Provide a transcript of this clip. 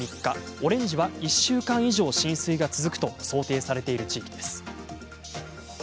オレンジは１週間以上浸水が続くと想定されている地域です。